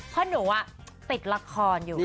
เพราะหนูติดละครอยู่